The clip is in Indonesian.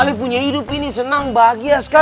yuk yuk bisa